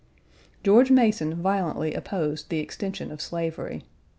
George Mason violently opposed the extension of slavery.